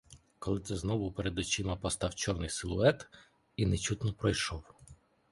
Коли це знову перед очима постав чорний силует і нечутно пройшов.